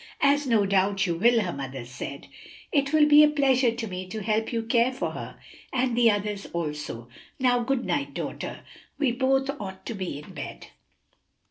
"As no doubt you will," her mother said. "It will be a pleasure to me to help you care for her, and the others also. Now, good night, daughter; we both ought to be in bed."